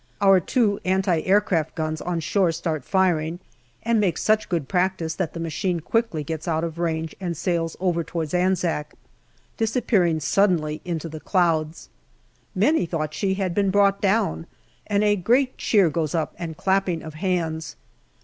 Our two anti aircraft guns on shore start firing, and make such good practice that the machine quickly gets out of range and sails over towards Anzac, disappearing suddenly into the clouds. Many thought that she had been brought down, and a great cheer goes up and clapping of hands.